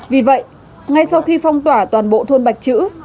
vì vậy ngay sau khi phong tỏa toàn bộ thôn bạch chữ